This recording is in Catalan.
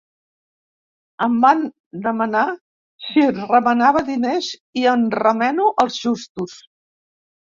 Em van demanar si remenava diners, i en remeno els justos.